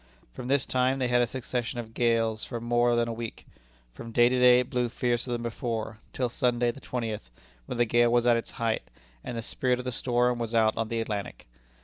From this time they had a succession of gales for more than a week. From day to day it blew fiercer than before, till Sunday, the twentieth, when the gale was at its height, and the spirit of the storm was out on the Atlantic.